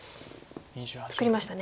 作りましたね。